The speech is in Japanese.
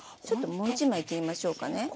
ちょっともう一枚いってみましょうかね。